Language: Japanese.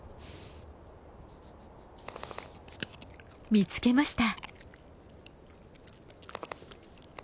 見つけました。